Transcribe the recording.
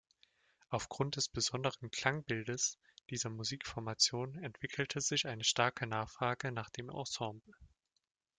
Aufgrund des besonderen Klangbildes dieser Musikformation entwickelte sich eine starke Nachfrage nach dem Ensemble.